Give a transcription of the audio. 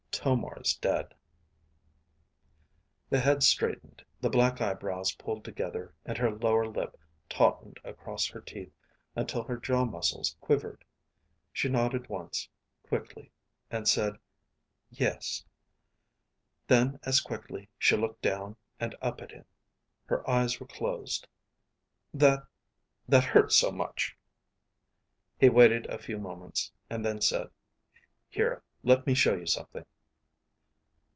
"Tomar's dead." The head straightened, the black eyebrows pulled together, and her lower lip tautened across her teeth until her jaw muscles quivered. She nodded once, quickly, and said, "Yes." Then, as quickly, she looked down and up at him. Her eyes were closed. "That ... that hurts so much." He waited a few moments, and then said, "Here, let me show you something."